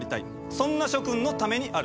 そんな諸君のためにある。